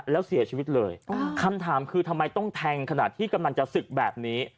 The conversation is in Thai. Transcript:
แล้วเสียชีวิตเลยคำถามคือทำไมต้องแทงขนาดที่กำลังจะศึกแบบนี้